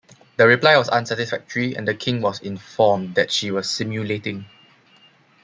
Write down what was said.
The reply was unsatisfactory, and the king was informed that she was simulating.